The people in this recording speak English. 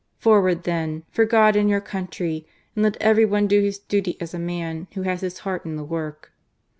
Forward, then ! for God and your country! and let every one do his duty as a man who has his heart in the work."